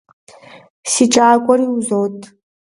Си кӀагуэри узот.